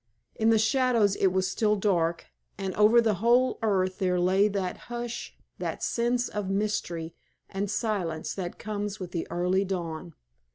In the shadows it was still dark, and over the whole earth there lay that hush, that sense of mystery and silence that comes with the early dawn.